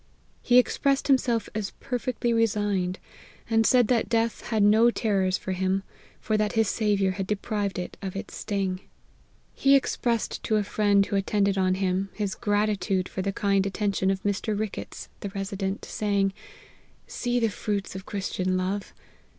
He expressed himself as perfectly resigned ; and aid that death had no terrors for him, for that his Saviour had deprived it of its sting. He expressed 240 APPENDIX. to a friend who attended on him, his gratitude for the kind attention of Mr. Ricketts, the Resident, saying, ' See the fruits of Christian love